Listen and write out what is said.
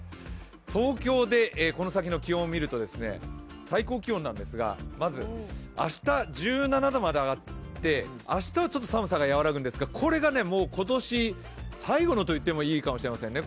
東京でこの先の気温を見ると、最高気温ですが、まず、明日１７度まで上がって明日はちょっと寒さが和らぐんですがこれが今年最後のと言ってもいいかもしれませんね